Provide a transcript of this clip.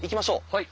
はい。